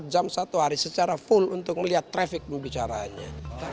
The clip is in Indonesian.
dua puluh jam satu hari secara full untuk melihat traffic pembicaraannya